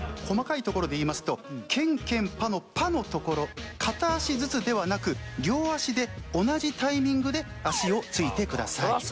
細かいところで言いますとけんけんぱの「ぱ」のところ片足ずつではなく両足で同じタイミングで足を着いてください。